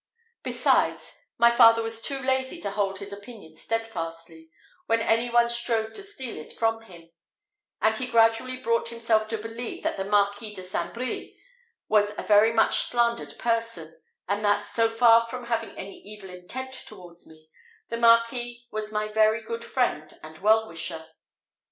Besides, my father was too lazy to hold his opinion steadfastly, when any one strove to steal it from him; and he gradually brought himself to believe that the Marquis de St. Brie was a very much slandered person, and that, so far from having any evil intent towards me, the Marquis was my very good friend and well wisher.